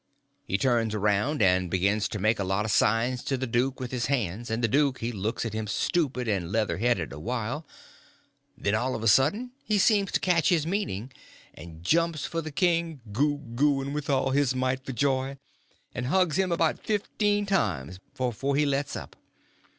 He turns around and begins to make a lot of signs to the duke with his hands, and the duke he looks at him stupid and leather headed a while; then all of a sudden he seems to catch his meaning, and jumps for the king, goo gooing with all his might for joy, and hugs him about fifteen times before he lets up.